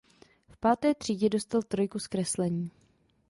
V páté třídě dostal trojku z kreslení.